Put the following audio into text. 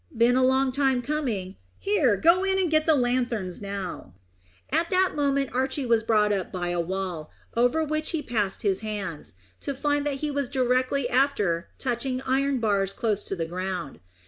"Been a long time coming; here, go in and get the lanthorns now." At that moment Archy was brought up by a wall, over which he passed his hands, to find that he was directly after touching iron bars close to the ground.